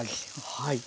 はい。